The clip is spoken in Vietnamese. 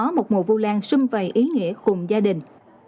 có một mùa vu lan xung vầy ý nghĩa cùng gia đình